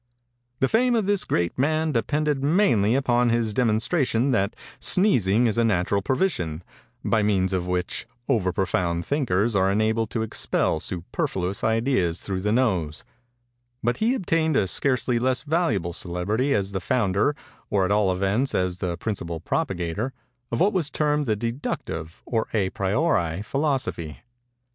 ] "The fame of this great man depended mainly upon his demonstration that sneezing is a natural provision, by means of which over profound thinkers are enabled to expel superfluous ideas through the nose; but he obtained a scarcely less valuable celebrity as the founder, or at all events as the principal propagator, of what was termed the _de_ductive or à priori philosophy.